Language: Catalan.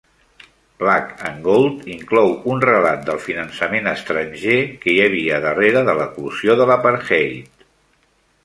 Black and Gold inclou un relat del finançament estranger que hi havia darrere de l'eclosió de l'apartheid.